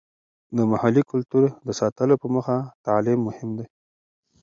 د محلي کلتور د ساتلو په موخه تعلیم مهم دی.